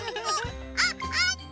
あっあった！